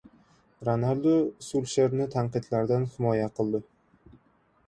Ronaldu Sulsherni tanqidlardan himoya qildi